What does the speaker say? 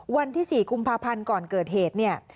วันที่๔กุมภาพันธ์ก่อนเกิดเหตุเนี่ย